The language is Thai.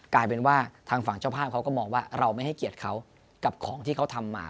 กลายเป็นว่าทางฝั่งเจ้าภาพเขาก็มองว่าเราไม่ให้เกียรติเขากับของที่เขาทำมา